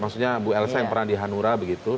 maksudnya bu elsa yang pernah di hanura begitu